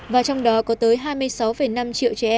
và trong đó có tới hai mươi sáu năm triệu trẻ em bị suy nghĩa